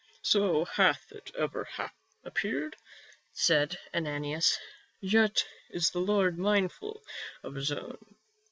" So hath it ever appeared," said Ananias. " Yet is the Lord mindful of his own."